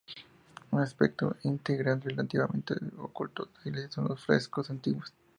Un aspecto intrigante y relativamente oculto de esta iglesia son los frescos antiguos.